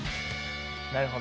なるほど。